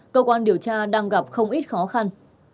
cơ quan điều tra đang gặp không ít khó khăn